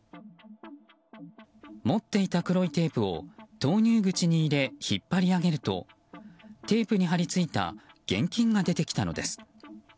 持っていた黒いテープを投入口に入れ、引っ張り上げるとテープに貼り付いた現金が出てきたのです。